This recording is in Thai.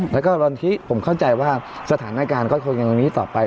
แล้วก็ตอนนี้ผมเข้าใจว่าสถานการณ์ก็คงยังตรงนี้ต่อไป